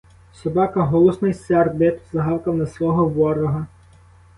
Собака голосно й сердито загавкав на свого ворога.